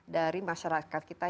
dari masyarakat kita